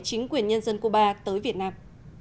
chính quyền nhân dân cuba tới việt nam